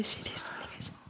お願いします。